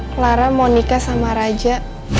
clara mau nikah sama raja